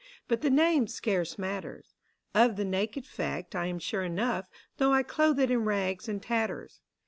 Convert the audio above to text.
but the name scarce mat ters : Of the naked fact I am sure enough, Though I clothe it in rags and tatters.